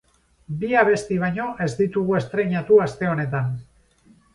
Bi abesti baino ez ditugu estreinatu aste honetan.